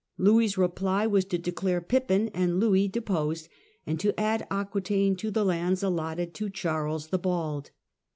Louis' reply was to declare Pippin and Louis deposed, and to add Aque taine to the lands allotted to Charles the Bald.